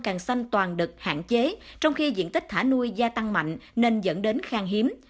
càng xanh toàn đực hạn chế trong khi diện tích thả nuôi gia tăng mạnh nên dẫn đến khang hiếm